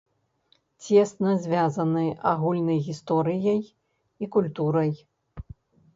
Цесна звязаны агульнай гісторыяй і культурай.